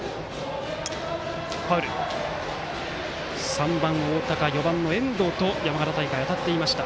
３番、大高４番の遠藤と山形大会、当たっていました。